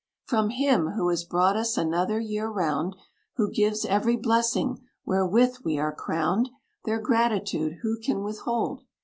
"From Him, who has brought us another year round, Who gives every blessing, wherewith we are crowned, Their gratitude who can withhold?